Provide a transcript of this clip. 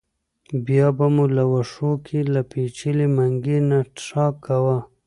بیا به مو له وښو کې له پېچلي منګي نه څښاک کاوه.